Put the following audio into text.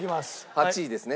８位ですね。